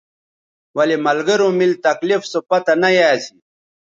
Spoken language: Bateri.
ولے ملگروں میل تکلیف سو پتہ نہ یا اسی